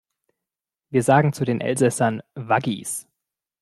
Wir sagen zu den Elsäßern Waggis.